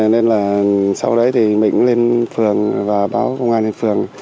nên là sau đấy thì mình lên phường và báo công an phường